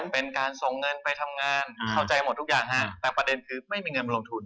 เป็นการส่งเงินไปทำงานเข้าใจหมดทุกอย่างฮะแต่ประเด็นคือไม่มีเงินมาลงทุน